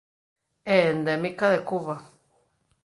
É endémica de Cuba.